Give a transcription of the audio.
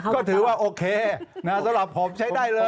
ก็ถือว่าโอเคสำหรับผมใช้ได้เลย